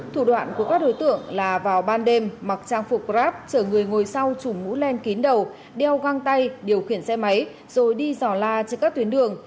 thủ đoạn của các đối tượng là vào ban đêm mặc trang phục grab chở người ngồi sau chùm mũ len kín đầu đeo găng tay điều khiển xe máy rồi đi dò la trên các tuyến đường